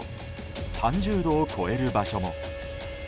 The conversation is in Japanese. ３０度を超える場所も。